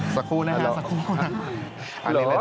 สักครู่นะครับสักครู่นะครับ